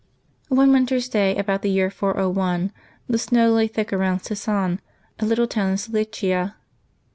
ONE winter's da}^, about the year 401, the snow lay thick around Sisan, a little town in Cilicia.